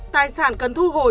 tài sản cần thu hồi